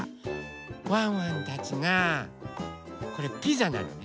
ワンワンたちがこれピザなのね。